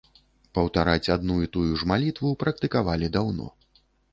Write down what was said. Паўтараць адну і тую ж малітву практыкавалі даўно.